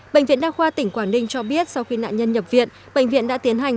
bệnh viện đa khoa tỉnh quảng ninh cho biết sau khi nạn nhân nhập viện bệnh viện đã tiến hành